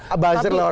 jadi buzzer lah